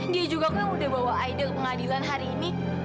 dia juga kan udah bawa ide ke pengadilan hari ini